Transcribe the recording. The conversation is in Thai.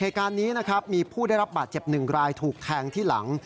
เหตุการณ์นี้นะครับมีผู้ได้รับบาดเจ็บหนึ่งรายถูกแทงที่หลัง